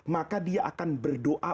maka dia akan berdoa